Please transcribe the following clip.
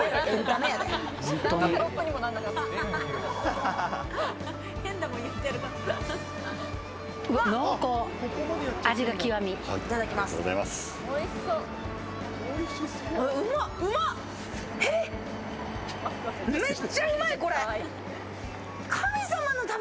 めっちゃうまいこれ！